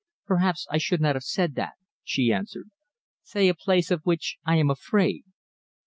"Perhaps I should not have said that," she answered. "Say a place of which I am afraid!"